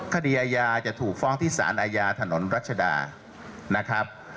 คดีอาญาจะถูกฟ้องที่สารอาญาถนนรัชดานะครับ